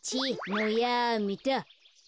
もうやめた。